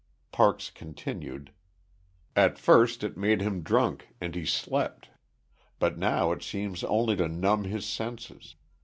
Parks continued: "At first it made him drunk, and he slept. But now it seems only to numb his senses.